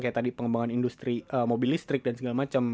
kayak tadi pengembangan industri mobil listrik dan segala macam